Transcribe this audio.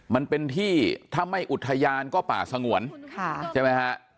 มันเป็นที่ถ้าไม่อุทยานก็ป่าสงวนใช่ไหมฮะ